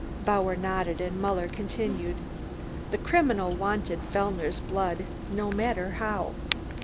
Bauer nodded and Muller continued: "The criminal wanted Fellner's blood, no matter how."